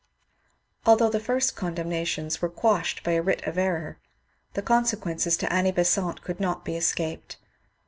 Although the first condemnations were quashed by a writ of error, the consequences to Annie Besant could not be escaped.